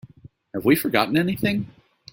Have we forgotten anything?